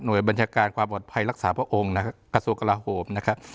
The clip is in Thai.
โดยบัญชาการความปลอดภัยรักษาพระองค์นะครับกระทรวงกลาโหมนะครับ